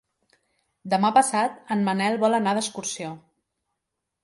Demà passat en Manel vol anar d'excursió.